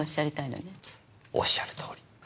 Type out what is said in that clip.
おっしゃるとおり。